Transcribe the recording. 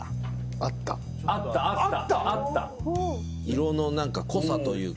色の濃さというか。